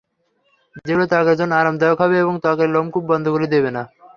যেগুলো ত্বকের জন্য আরামদায়ক হবে এবং ত্বকের লোমকূপ বন্ধ করে দেবে না।